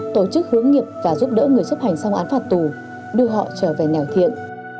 tổ chức hướng nghiệp và giúp đỡ người chấp hành xong án phạt tù đưa họ trở về nẻo thiện